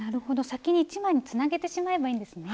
先に１枚につなげてしまえばいいんですね。